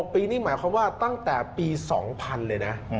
ปีนี้หมายความว่าตั้งแต่ปี๒๐๐เลยนะ